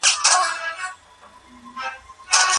زموږ په ټولنه کي به بدلون راسي.